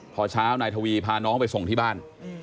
พอเช้านายทวีพาน้องไปส่งที่บ้าน